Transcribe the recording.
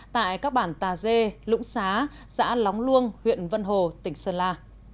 tại các bản tà dê lũng xá xã lóng luông huyện vân hồ tỉnh sơn la